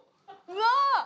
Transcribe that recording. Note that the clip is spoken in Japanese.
うわ！